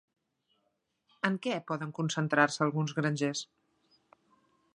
En què poden concentrar-se alguns grangers?